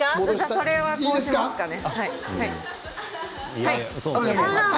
それは移動しますかね。